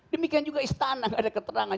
demikian juga istana nggak ada keterangan